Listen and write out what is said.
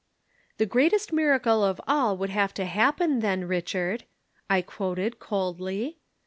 "'The greatest miracle of all would have to happen then, Richard,' I quoted coldly.